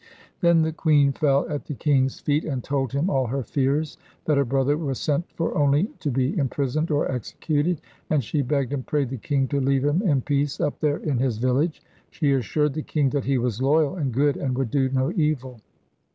Then the queen fell at the king's feet and told him all her fears that her brother was sent for only to be imprisoned or executed, and she begged and prayed the king to leave him in peace up there in his village. She assured the king that he was loyal and good, and would do no evil.